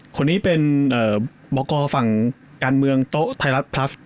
คนนี้เป็นบอกกรฝั่งการเมืองโต๊ะไทยรัฐพลัส